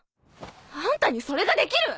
あんたにそれができる？